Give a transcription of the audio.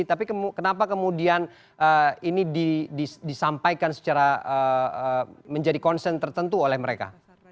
tapi kenapa kemudian ini disampaikan secara menjadi concern tertentu oleh mereka